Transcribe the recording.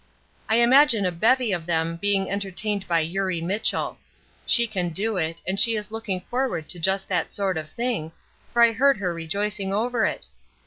I imagine a bevy of them being entertained by Eurie Mitchell. She can do it, and she is looking forward to just that sort of thing, for I heard her rejoicing over it.